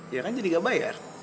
ya kan jadi gak bayar